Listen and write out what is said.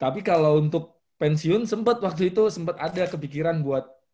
tapi kalau untuk pensiun sempat waktu itu sempat ada kepikiran buat